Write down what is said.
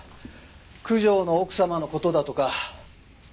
九条の奥様の事だとか。